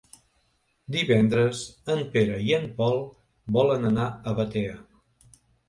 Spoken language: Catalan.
Divendres en Pere i en Pol volen anar a Batea.